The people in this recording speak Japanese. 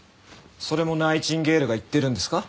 それもナイチンゲールが言ってるんですか？